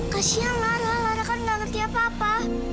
kasihan lara lara kan gak ngerti apa apa